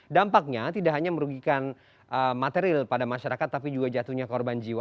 dampaknya tidak hanya merugikan material pada masyarakat tapi juga jatuhnya korban jiwa